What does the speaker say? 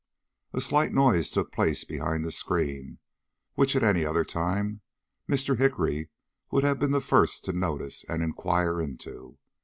A slight noise took place behind the screen, which at any other time Mr. Hickory would have been the first to notice and inquire into.